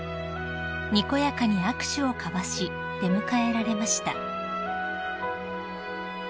［にこやかに握手を交わし出迎えられました］